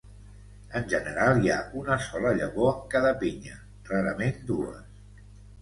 En general hi ha una sola llavor en cada pinya, rarament dues.